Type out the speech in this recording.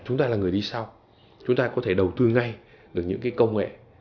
chúng ta là người đi sau chúng ta có thể đầu tư ngay được những cái công nghệ